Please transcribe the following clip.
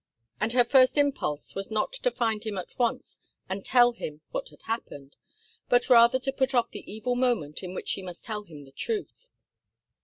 And her first impulse was not to find him at once and tell him what had happened, but rather to put off the evil moment in which she must tell him the truth.